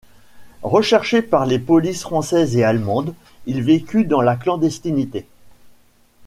Recherché par les polices française et allemande, il vécut dans la clandestinité.